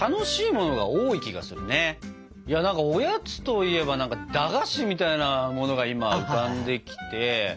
おやつといえば駄菓子みたいなものが今浮かんできて。